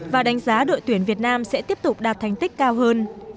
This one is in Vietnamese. và đánh giá đội tuyển việt nam sẽ tiếp tục đạt thành tích cao hơn